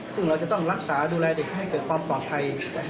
ซึ่งเราจะต้องรักษาดูแลเด็กให้เกิดความปลอดภัย